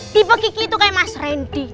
tipe kiki tuh kayak mas randy